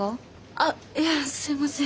あっいやすいません。